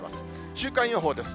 週間予報です。